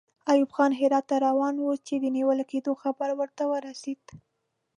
ایوب خان هرات ته روان وو چې د نیول کېدلو خبر ورته ورسېد.